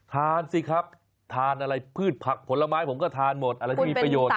สิครับทานอะไรพืชผักผลไม้ผมก็ทานหมดอะไรที่มีประโยชน์